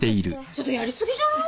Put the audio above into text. ちょっとやり過ぎじゃない？